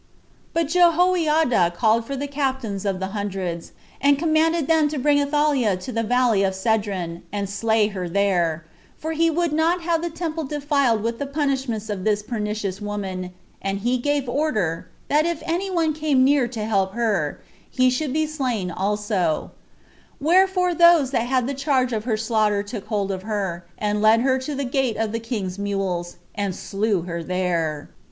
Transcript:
But Jehoiada called for the captains of hundreds, and commanded them to bring Athaliah to the valley of Cedron, and slay her there, for he would not have the temple defiled with the punishments of this pernicious woman; and he gave order, that if any one came near to help her, he should be slain also; wherefore those that had the charge of her slaughter took hold of her, and led her to the gate of the king's mules, and slew her there.